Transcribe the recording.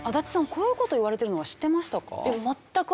こういう事を言われてるのは知ってましたか？